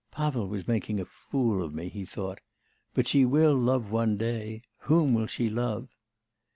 'Pavel was making a fool of me,' he thought; '... but she will love one day... whom will she love?